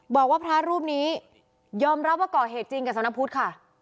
บอกว่าพระรูปนี้ยอมรับว่าก่อเหตุจริงกับสำนักพุทธค่ะ